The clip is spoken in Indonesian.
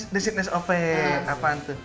dustin s o p apaan tuh